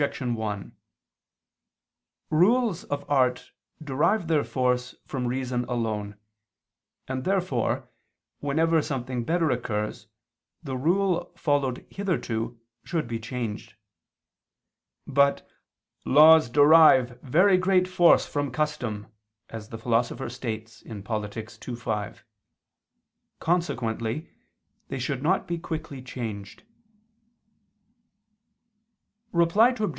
1: Rules of art derive their force from reason alone: and therefore whenever something better occurs, the rule followed hitherto should be changed. But "laws derive very great force from custom," as the Philosopher states (Polit. ii, 5): consequently they should not be quickly changed. Reply Obj.